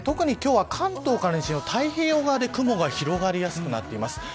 特に今日は関東から西の太平洋側で雲が広がりやすくなっています。